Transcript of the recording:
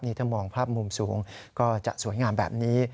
ถ้ามองภาพมุมสูงก็จะสวยงามแบบนี้